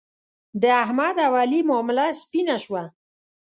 د احمد او علي معامله سپینه شوه.